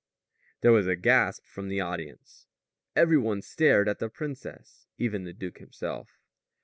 There was a gasp from the audience. Every one stared at the princess. Even the duke himself.